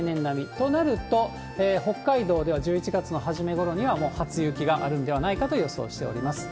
となると、北海道では１１月の初め頃には、もう初雪があるんではないかと予想しております。